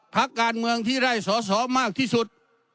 พักการเมืองที่ได้สอสอมากที่สุด